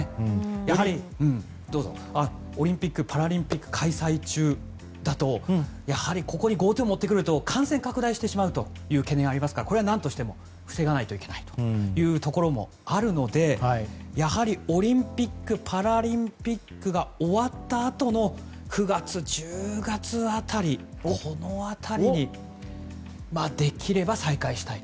オリンピック・パラリンピック開催中だとやはりここにＧｏＴｏを持ってくると感染拡大してしまうという懸念がありますからこれは何としても防がないといけないというところもあるのでやはりオリンピック・パラリンピックが終わったあとの９月、１０月辺りにできれば再開したいと。